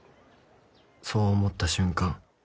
「そう思った瞬間」